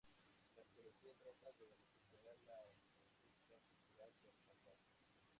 La arqueología trata de recuperar la conducta cultural del pasado.